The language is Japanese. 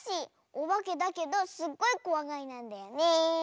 オバケだけどすっごいこわがりなんだよね。